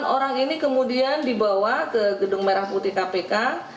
sembilan orang ini kemudian dibawa ke gedung merah putih kpk